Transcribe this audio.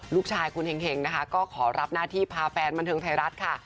ลูกชายคุณเห็งนะคะก็ขอรับหน้าที่พาแฟนบันเทิงไทยรัฐค่ะ